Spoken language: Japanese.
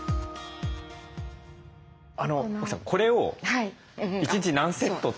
沖さんこれを１日何セット？